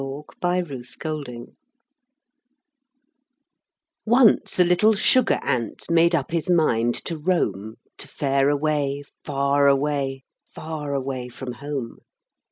THE ANT EXPLORER Once a little sugar ant made up his mind to roam To fare away far away, far away from home.